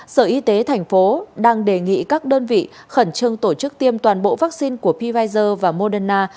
sở y tế tp hcm đang đề nghị các đơn vị khẩn trương tổ chức tiêm toàn bộ vaccine của pfizer và moderna